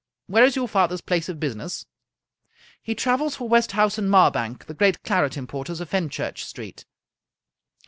Where is your father's place of business ?"" He travels for Westhouse & Marbank, the great claret importers of Fenchurch Street."